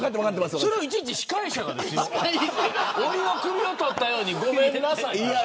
それをいちいち司会者が鬼の首を取ったようにごめんなさい。